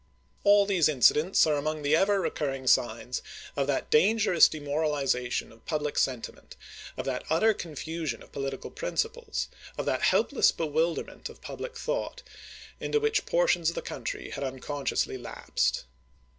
All these incidents are among the ever recurring signs of that dangerous demoralization of public senti ment, of that utter confusion of political principles, of that helpless bewilderment of public thought, into which portions of the country had uncon sciously lapsed.